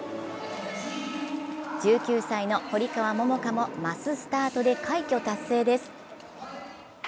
１９歳の堀川桃香もマススタートで快挙達成です。